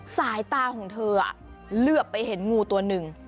สายตาของเธอเหลือไปเห็นงูตัวหนึ่ง